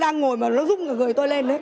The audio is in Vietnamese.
ngồi mà nó rung cả người tôi lên đấy